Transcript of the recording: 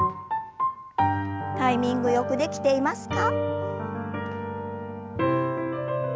タイミングよくできていますか？